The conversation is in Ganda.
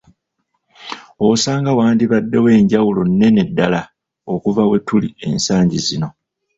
Osanga wandibaddewo enjawulo nnene ddala okuva we tuli ensangi zino.